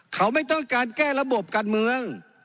เขาไม่ต้องการแก้ระบบการเมือง